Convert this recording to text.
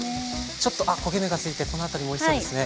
ちょっとあ焦げ目がついてこの辺りもおいしそうですね。